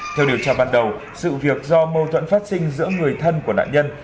theo điều tra ban đầu sự việc do mâu thuẫn phát sinh giữa người thân của nạn nhân